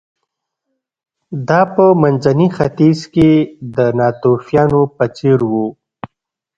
دا په منځني ختیځ کې د ناتوفیانو په څېر و